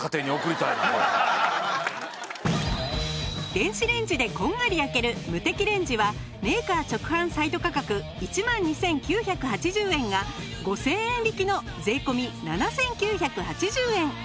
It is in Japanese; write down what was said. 電子レンジでこんがり焼けるムテキレンジはメーカー直販サイト価格１万２９８０円が５０００円引きの税込７９８０円。